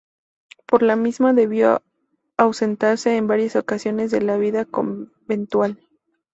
Por la misma debió ausentarse en varias ocasiones de la vida conventual.